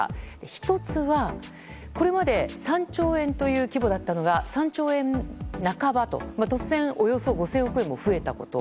１つは、これまで３兆円という規模だったのが３兆円半ばと、突然およそ５０００億円も増えたこと。